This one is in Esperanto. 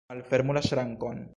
Malfermu la ŝrankon!